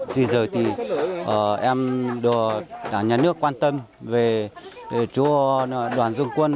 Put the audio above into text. di rời thì em đồ nhà nước quan tâm về chỗ đoàn dân quân